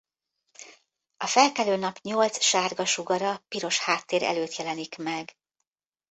A felkelő nap nyolc sárga sugara piros háttér előtt jelenik meg.